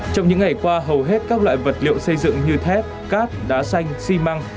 trong những ngày qua hầu hết các loại vật liệu xây dựng như thép cát đá xanh xi măng